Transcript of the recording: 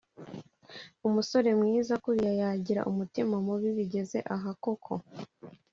umusore mwiza kuriya yagira umutima mubi bigeze aha koko?